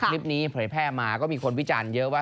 คลิปนี้ผลแพร่มาก็มีคนวิจารณ์เยอะว่า